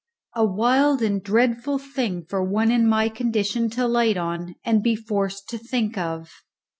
A wild and dreadful thing for one in my condition to light on and be forced to think of.